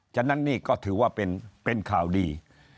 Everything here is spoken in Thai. ฉะนั้นนี่ก็ถือว่าเป็นข่าวดี